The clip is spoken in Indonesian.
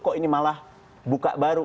kok ini malah buka baru